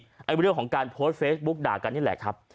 เรื่องของการโพสต์เฟซบุ๊กด่ากันนี่แหละครับ